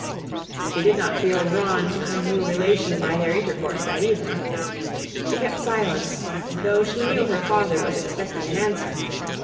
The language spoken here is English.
She did not feel drawn to her new relation by their intercourse that evening. She kept silence, though she knew her father was expecting an answer.